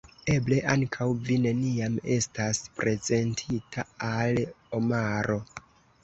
Eble ankaŭ vi neniam estas prezentita al Omaro.